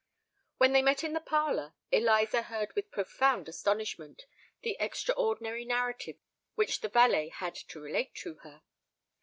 When they met in the parlour, Eliza heard with profound astonishment the extraordinary narrative which the valet had to relate to her.